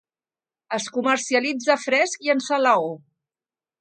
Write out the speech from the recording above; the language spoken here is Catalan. Es comercialitza fresc i en salaó.